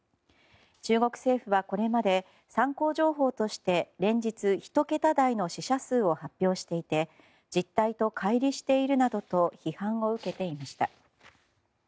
中国政府はこれまで参考情報として連日１桁台の死者数を発表していて実態と乖離しているなどと批判を受けていました。